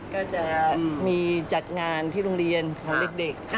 ก็จะมีจัดงานที่โรงเรียนของเด็ก